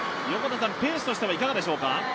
ペースとしてはいかがでしょうか？